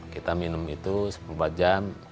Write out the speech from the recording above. kita minum itu sepuluh empat jam